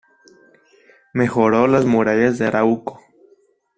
Mejoró las murallas de Arauco.